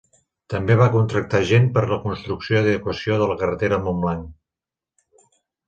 També va contractar gent per a la construcció i adequació de la carretera a Montblanc.